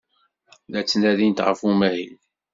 La ttnadint ɣef umahil.